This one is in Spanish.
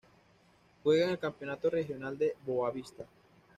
Juega en el Campeonato regional de Boavista.